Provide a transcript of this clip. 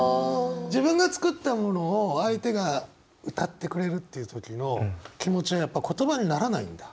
自分が作ったものを相手が歌ってくれるっていう時の気持ちはやっぱ言葉にならないんだ？